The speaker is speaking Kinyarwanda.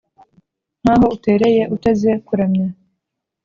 Nkaho utereye uteze kuramya